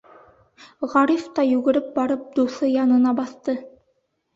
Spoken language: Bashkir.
Ғариф та йүгереп барып дуҫы янына баҫты.